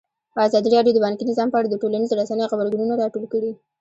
ازادي راډیو د بانکي نظام په اړه د ټولنیزو رسنیو غبرګونونه راټول کړي.